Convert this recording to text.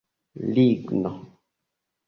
Ligno